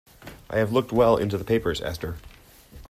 I have looked well into the papers, Esther.